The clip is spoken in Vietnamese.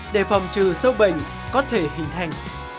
để phòng trừ sâu bệnh có thể hình thành